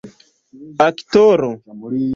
aktoro